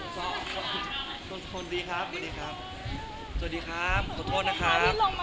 สวัสดีครับ